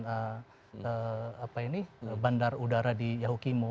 kemudian yang ketiga dalam konteks pembangunan bandar udara di yahukimo